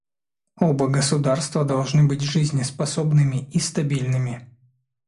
Оба государства должны быть жизнеспособными и стабильными.